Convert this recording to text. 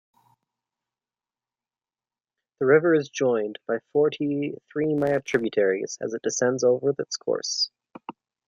The river is joined by forty-three minor tributaries; as it descends over its course.